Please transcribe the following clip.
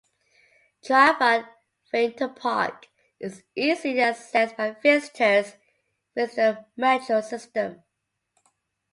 Tryvann vinterpark is easily accessed by visitors with the metro system.